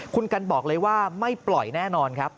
คุณกันบอกเลยว่าไม่ปล่อยแน่นอนครับ